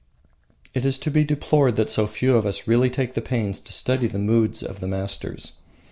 It is to be deplored that so few of us really take pains to study the moods of the masters.